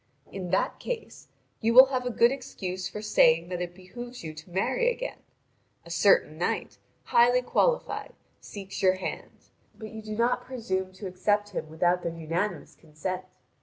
In that case you will have a good excuse for saving that it behoves you to marry again. A certain knight, highly qualified, seeks your hand; but you do not presume to accept him without their unanimous consent.